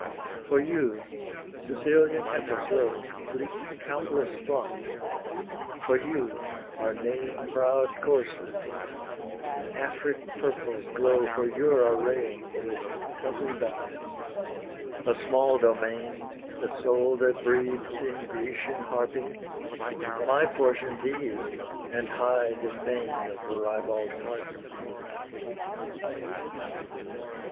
For you Sicilian heifers low, Bleat countless flocks; for you are neighing Proud coursers; Afric purples glow For your arraying With double dyes; a small domain, The soul that breathed in Grecian harping, My portion these; and high disdain Of ribald carping.